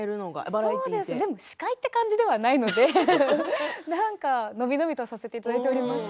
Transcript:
でも司会という感じではないので伸び伸びとさせていただきます。